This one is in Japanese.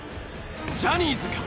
ジャニーズか？